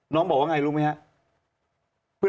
น้องบอกว่าไงรู้มั้ยฮะ